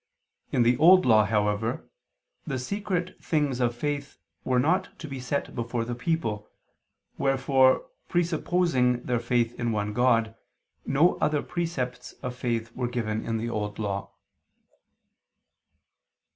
In the Old Law, however, the secret things of faith were not to be set before the people, wherefore, presupposing their faith in one God, no other precepts of faith were given in the Old Law.